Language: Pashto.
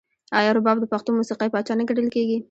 آیا رباب د پښتو موسیقۍ پاچا نه ګڼل کیږي؟